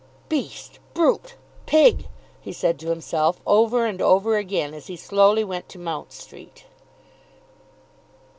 "Beast! Brute! Pig!" he said to himself over and over again as he slowly went to Mount Street.